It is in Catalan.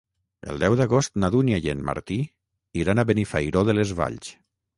El deu d'agost na Dúnia i en Martí iran a Benifairó de les Valls.